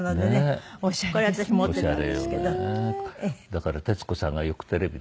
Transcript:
だから徹子さんがよくテレビでね